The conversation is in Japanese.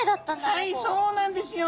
はいそうなんですよ。